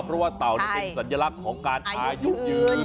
เพราะว่าเต่าเป็นสัญลักษณ์ของการอายุยืน